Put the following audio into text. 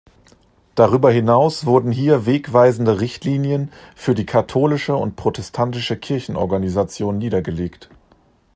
Darüber hinaus wurden hier wegweisende Richtlinien für die katholische und protestantische Kirchenorganisation niedergelegt.